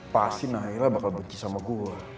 pak asin akhirnya bakal berkisah sama gue